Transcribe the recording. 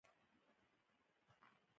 زه له کلتوري دودونو سره بلد یم.